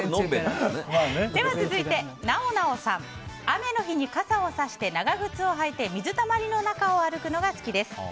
続いて、雨の日に傘を差して長靴を履いて水たまりの中を歩くのが好きです。